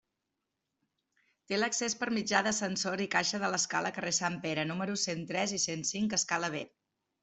Té l'accés per mitjà d'ascensor i caixa de l'escala carrer Sant Pere, números cent tres i cent cinc –escala B–.